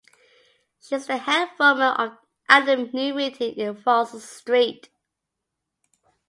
She is the head woman at the new meeting in Russell Street.